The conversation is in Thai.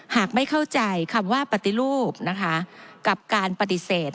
หากไม่เข้าใจคำว่าปฏิรูปนะคะกับการปฏิเสธ